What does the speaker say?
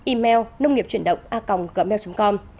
email nông nghiệpchuyểnđộngacong gmail com